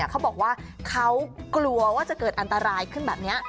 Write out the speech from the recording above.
เขาบอกว่าเขากลัวว่าจะเกิดอันตรายขึ้นแบบนี้